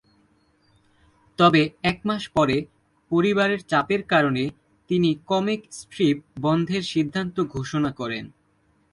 তবে এক মাস পরে, পরিবারের চাপের কারণে তিনি কমিক স্ট্রিপ বন্ধের সিদ্ধান্ত ঘোষণা করেন।